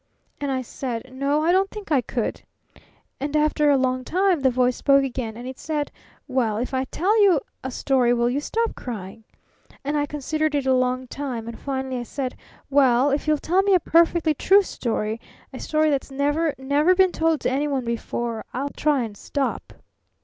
And I said, 'N o, I don't think I could!' And after a long time the Voice spoke again, and it said, 'Well, if I'll tell you a story will you stop crying?' And I considered it a long time, and finally I said, 'Well, if you'll tell me a perfectly true story a story that's never, never been told to any one before _I'll try and stop!